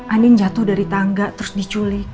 anin jatuh dari tangga terus diculik